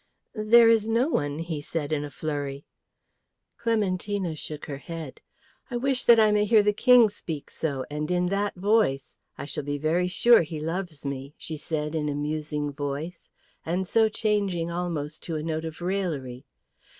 "There is no one," he said in a flurry. Clementina shook her head. "I wish that I may hear the King speak so, and in that voice; I shall be very sure he loves me," she said in a musing voice, and so changing almost to a note of raillery.